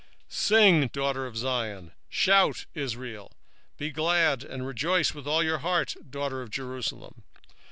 3:14 Sing, O daughter of Zion; shout, O Israel; be glad and rejoice with all the heart, O daughter of Jerusalem.